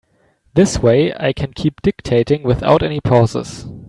This way I can keep dictating without any pauses.